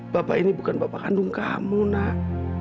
bapak ini bukan bapak kandung kamu nak